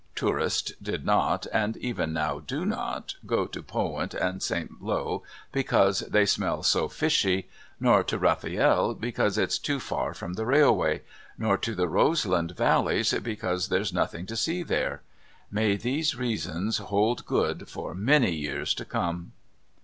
Tourists did not, and even now do not, go to Polwint and St. Lowe because "they smell so fishy," nor to Rafield "because it's too far from the railway," nor to the Roseland valleys "because there's nothing to see there.", May these reasons hold good for many years to come!